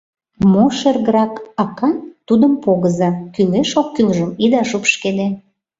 — Мо шергырак акан, тудым погыза, кӱлеш-оккӱлжым ида шупшкеде!..